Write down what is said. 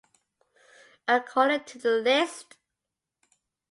According to the list.